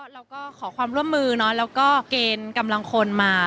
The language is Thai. เราก็ขอความร่วมมือแล้วก็เกณฑ์กำลังคนมา